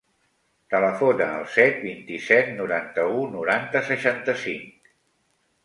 Telefona al set, vint-i-set, noranta-u, noranta, seixanta-cinc.